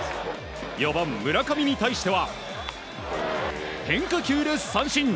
４番、村上に対しては変化球で三振。